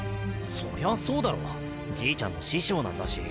そりゃそうだろじいちゃんの師匠なんだし。